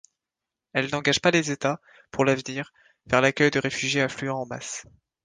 Elle n’engage pas les États, pour l’avenir, vers l’accueil de réfugiés affluant en masse.